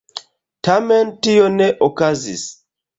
Tamen tio ne okazis.